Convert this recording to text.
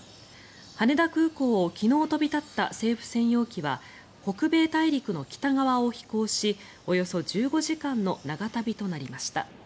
羽田空港を昨日飛び立った政府専用機は北米大陸の北側を飛行しおよそ１５時間の長旅となりました。